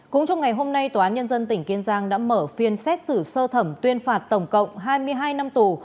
cũng trong ngày hôm nay tòa án nhân dân tỉnh kiên giang đã mở phiên xét xử sơ thẩm tuyên phạt tổng cộng hai mươi hai năm tù